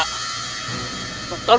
tentang masuk perempuan ini